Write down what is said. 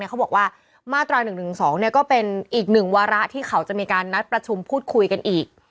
เขาบอกว่ามาตรา๑๑๒ก็เป็นอีกหนึ่งวาระที่เขาจะมีการนัดประชุมพูดคุยกันอีก